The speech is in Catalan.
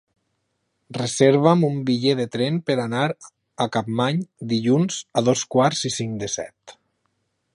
Reserva'm un bitllet de tren per anar a Capmany dilluns a dos quarts i cinc de set.